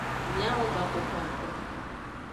Miawo gaxoxoaton.